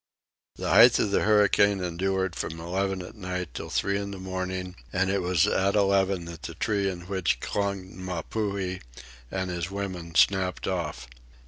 The height of the hurricane endured from eleven at night till three in the morning, and it was at eleven that the tree in which clung Mapuhi and his women snapped off.